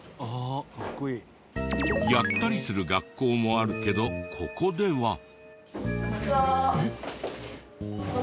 やったりする学校もあるけどここでは。